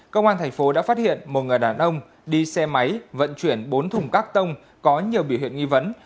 công an thành phố đã phát hiện một người đàn ông đi xe máy vận chuyển bốn thùng các tông có nhiều biểu hiện nghi vấn